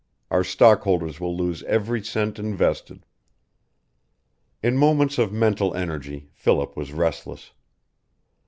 Our stockholders will lose every cent invested." In moments of mental energy Philip was restless.